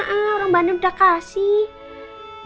orang mbak andi udah kasih